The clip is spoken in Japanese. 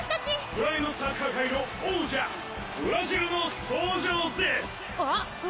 ブラインドサッカー界の王者ブラジルの登場です！